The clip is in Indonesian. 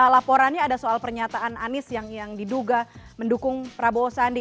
laporannya ada soal pernyataan anies yang diduga mendukung prabowo sandi